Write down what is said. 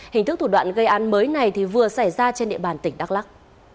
hình thức thủ đoạn gây án mới này thì vừa xảy ra trên địa bàn tỉnh đắk lắc